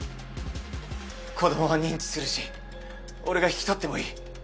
子どもは認知するし俺が引き取ってもいい！